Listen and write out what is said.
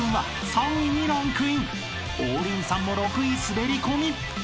［王林さんも６位滑り込み。